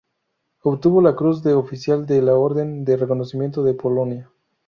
Obtuvo la Cruz de oficial de la Orden de Reconocimiento de Polonia.